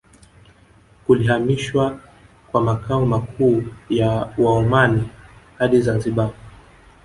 Kulihamishwa kwa makao makuu ya Waomani hadi Zanzibar